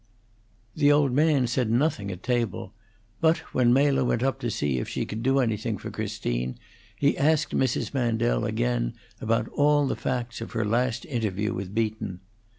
The old man said nothing at table, but, when Mela went up to see if she could do anything for Christine, he asked Mrs. Mandel again about all the facts of her last interview with Beaton.